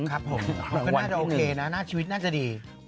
คุณน่าจะโอเคนะชีวิตน่าจะดี